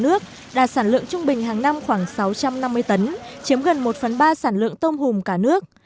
tôm hùm cả nước đạt sản lượng trung bình hàng năm khoảng sáu trăm năm mươi tấn chiếm gần một phần ba sản lượng tôm hùm cả nước